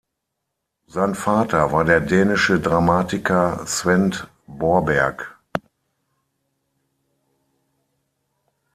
Sein Vater war der dänische Dramatiker Svend Borberg.